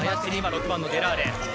６番のデラーレ